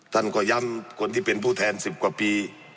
ท่านก็ย้ำคนที่เป็นผู้แทน๑๐กว่าปี